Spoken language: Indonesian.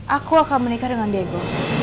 aku akan menikah dengan diego